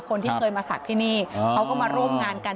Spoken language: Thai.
คนที่เคยมาศักดิ์ที่นี่เขาก็มาร่วมงานกัน